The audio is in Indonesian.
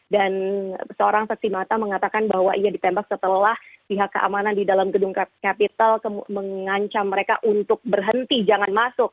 dan seorang petimata mengatakan bahwa ia ditembak setelah pihak keamanan di dalam gedung kapital mengancam mereka untuk berhenti jangan masuk